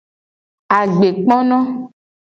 Agbekpono.